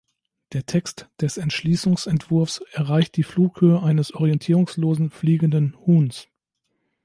Der Text des Entschließungsentwurfs erreicht die Flughöhe eines orientierungslosen fliegenden Huhns.